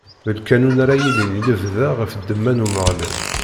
D lqanun ara yilin i lebda ɣef ddemma n Umeɣlal.